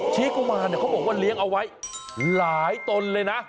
กุมารเขาบอกว่าเลี้ยงเอาไว้หลายตนเลยนะ